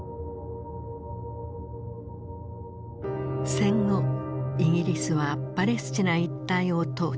戦後イギリスはパレスチナ一帯を統治。